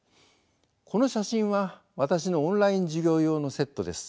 この写真は私のオンライン授業用のセットです。